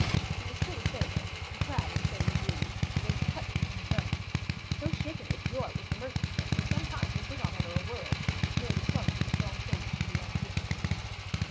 He was still a sailor and clad in sailor blue, and there was a cutlass in his belt. So shaken with joy was the merchant that for some time he could not utter a word, but merely clung to the strong shoulders of the young seaman.